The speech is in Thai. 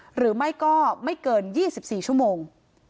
หรือไม่ก็ไม่เกิน๒๔ชั่วโมง